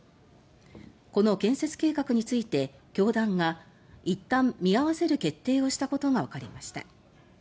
この建設計画について教団がいったん見合わせる決定をしたことがわかりました。